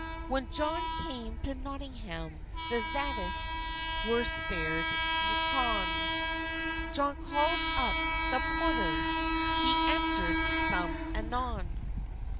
When Johne came to Notyngham The zatis were sparred ychone; Johne callid vp the porter, He answerid sone anon.